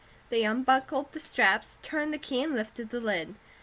They unbuckled the straps, turned the key, and lifted the lid.